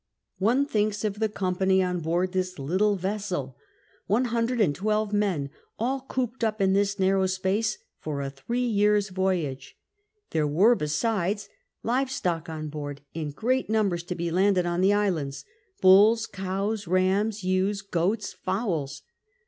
One thinks of the company on board this little vessel, — one hundred and twelve men all cooped up in this narrow space for a three years' voyage; there were, besides, live stock on board in great numbers to be landed on the islands — ^bulls, cows, rams, ewes, goats, fowls.